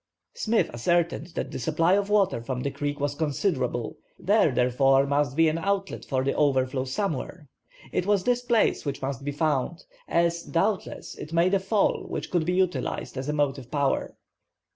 Smith ascertained that the supply of water from the creek was considerable; there therefore must be an outlet for the overflow somewhere. It was this place which must be found, as, doubtless, it made a fall which could be utilized as a motive power.